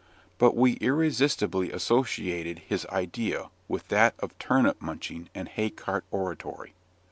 But we irresistibly associated his idea with that of turnip munching and hay cart oratory.